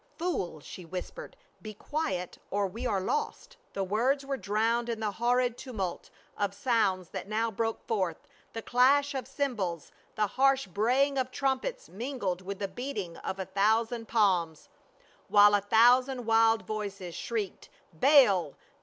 " Fool !" she whispered. " Be quiet, or we are lost." The words were drowned in the horrid tumult of sounds that now broke forth, the clash of cymbals, the harsh braying of trumpets mingled with the beating of a thousand palms, while a thousand wild voices shrieked, " Baal